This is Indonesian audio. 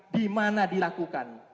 di mana dilakukan